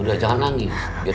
udah jangan nangis